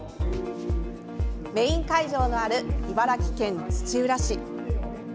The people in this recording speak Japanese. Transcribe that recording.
メイン会場のある茨城県土浦市。